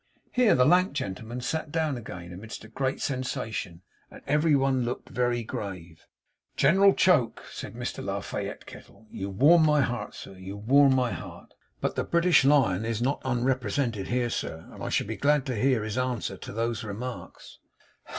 Here the lank gentleman sat down again, amidst a great sensation; and every one looked very grave. 'General Choke,' said Mr La Fayette Kettle, 'you warm my heart; sir, you warm my heart. But the British Lion is not unrepresented here, sir; and I should be glad to hear his answer to those remarks.